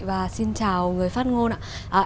và xin chào người phát ngôn ạ